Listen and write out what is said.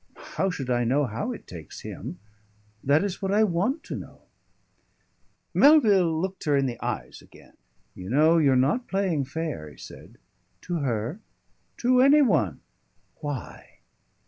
"How should I know how it takes him? That is what I want to know." Melville looked her in the eyes again. "You know, you're not playing fair," he said. "To her?" "To any one." "Why?"